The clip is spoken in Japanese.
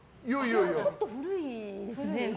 ちょっと古いですよね。